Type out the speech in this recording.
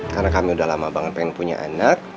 karena kami udah lama banget pengen punya anak